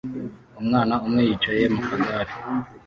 Umwana umwe yicaye mu kagare